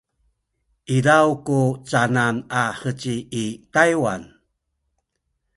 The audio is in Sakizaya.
izaw ku canan a heci i Taywan?